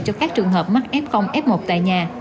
cho các trường hợp mắc f f một tại nhà